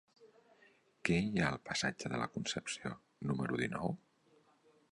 Què hi ha al passatge de la Concepció número dinou?